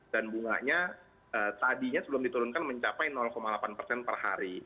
dan bunganya tadinya sebelum diturunkan mencapai delapan persen per hari